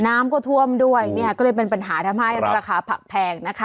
น้ำก็ท่วมด้วยเนี่ยก็เลยเป็นปัญหาทำให้ราคาผักแพงนะคะ